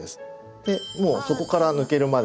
でもう底から抜けるまで。